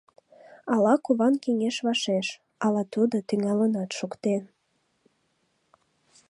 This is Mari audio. Ала куван кеҥеж вашеш, ала тудо тӱҥалынат шуктен.